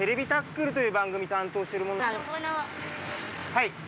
はい。